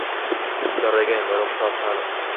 لە ڕێگاین بەرەو قوتابخانە.